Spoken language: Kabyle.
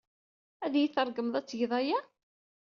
Ad iyi-tṛeggmeḍ ad tgeḍ aya?